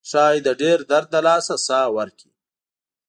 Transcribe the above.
ښایي د ډیر درد له لاسه ساه ورکړي.